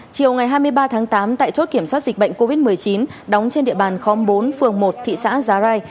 chiều ngày hai mươi ba tháng tám tại chốt kiểm soát dịch bệnh covid một mươi chín đóng trên địa bàn khóm bốn phường một thị xã giá rai